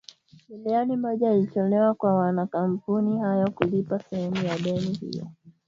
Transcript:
milioni moja ilitolewa kwa makampuni hayo kulipa sehemu ya deni hio